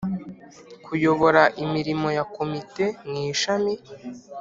kuyobora imirimo ya komite mu ishami